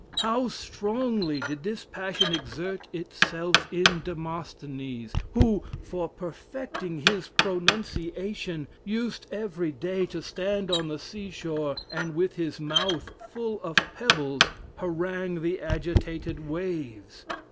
How strongly did this passion exert itself in Demosthenes, who, for perfecting his pronunciation, used every day to stand on the sea shore, and with his mouth full of pebbles harangue the agitated waves!